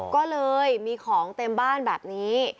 ก็เลยมีของเต็มบ้านแบบนี้